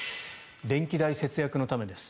電気代節約のためです。